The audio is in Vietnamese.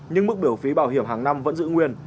nhưng mức biểu phí bảo hiểm hàng năm vẫn giữ nguyên